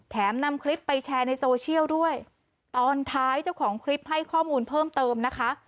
นำคลิปไปแชร์ในโซเชียลด้วยตอนท้ายเจ้าของคลิปให้ข้อมูลเพิ่มเติมนะคะ